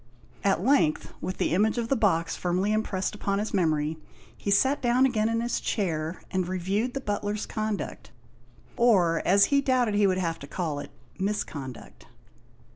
At length, with the image of the box firmly impressed upon his memory, he sat down again in his chair, and reviewed the butler's conduct, or as he doubted he would have to call it, misconduct.